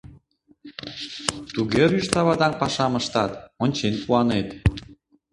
Туге рӱж, тавадаҥ пашам ыштат — ончен куанет.